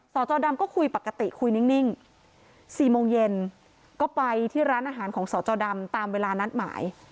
จอดำก็คุยปกติคุยนิ่ง๔โมงเย็นก็ไปที่ร้านอาหารของสจดำตามเวลานัดหมาย